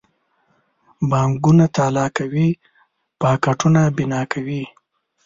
بانکونه تالا کوي پاټکونه بنا کوي.